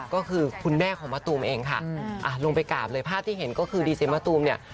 ก็คือคุณแม่ของมะตูมเองค่ะลงไปกราบเลยภาพที่เห็นก็คือดีเจมะตูมเนี่ย